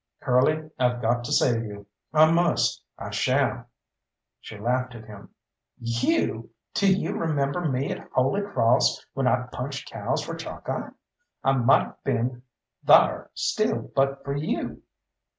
"Curly, I've got to save you I must I shall!" She laughed at him. "You! Do you remember me at Holy Crawss when I punched cows for Chalkeye? I might ha' been thar still but for you."